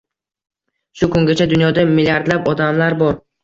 Shu kungacha dunyoda milliardlab odamlar bor.